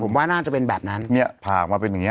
ผมว่าน่าจะเป็นแบบนั้นเนี่ยผ่าออกมาเป็นอย่างเง